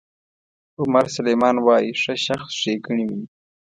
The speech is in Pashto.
عمر سلیمان وایي ښه شخص ښېګڼې ویني.